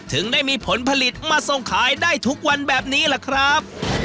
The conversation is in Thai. ถึงได้มีผลผลิตมาส่งขายได้ทุกวันแบบนี้ล่ะครับ